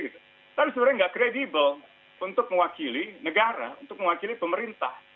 kan sebenarnya nggak kredibel untuk mewakili negara untuk mewakili pemerintah